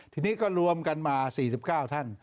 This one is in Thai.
ทีนี้ก็รวมกันมา๔๙ท่าน